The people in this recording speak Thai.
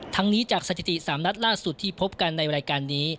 นี้จากสถิติ๓นัดล่าสุดที่พบกันในรายการนี้